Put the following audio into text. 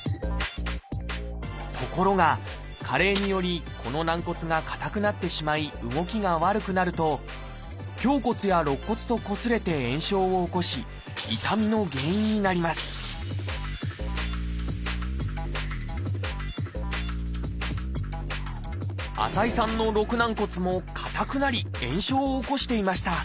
ところが加齢によりこの軟骨が硬くなってしまい動きが悪くなると胸骨や肋骨とこすれて炎症を起こし痛みの原因になります浅居さんの肋軟骨も硬くなり炎症を起こしていました